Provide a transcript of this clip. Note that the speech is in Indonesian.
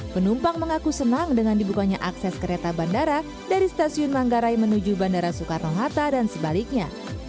penumpang mengaku senang dengan dibukanya akses kereta bandara dari stasiun manggarai menuju bandara soekarno hatta dan sebaliknya